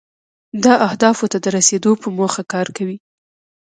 دا اهدافو ته د رسیدو په موخه کار کوي.